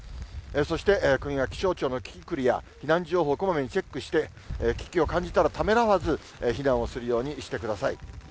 そして今夜、気象庁のキキクルや、避難情報をこまめにチェックして、危機を感じたらためらわず、避難をするようにしてください。